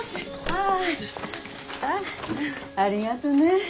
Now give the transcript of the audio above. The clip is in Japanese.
あありがとね。